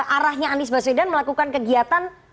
arahnya andi s w melakukan kegiatan